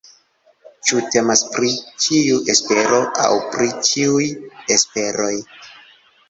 Ĉu temas pri ĉiu espero aŭ pri ĉiuj esperoj?